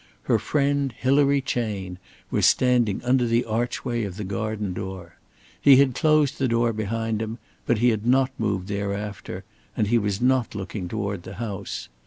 Her friend Hilary Chayne was standing under the archway of the garden door. He had closed the door behind him, but he had not moved thereafter, and he was not looking toward the house.